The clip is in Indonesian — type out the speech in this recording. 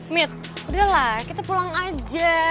mit udah lah kita pulang aja